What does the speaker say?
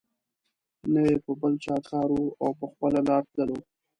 نه یې په بل چا کار وو او په خپله لار تللو.